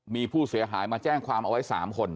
มีผู้เสียหายมาแจ้งความเอาไว้๓คน